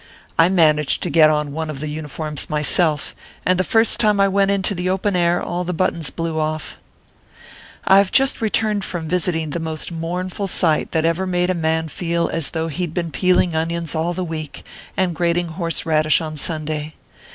I managed to get on one of the uniforms myself, and the first time I went into the open air all the buttons blew off. I ve just returned from visiting the most mournful sight that ever made a man feel as though he d been peeling onions all the week, and grating horse radish on Sunday.